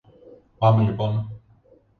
Πάμε λοιπόν.